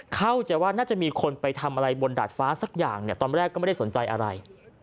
เข้าใจว่าน่าจะมีคนไปทำอะไรบนดาดฟ้าสักอย่างเนี่ยตอนแรกก็ไม่ได้สนใจอะไร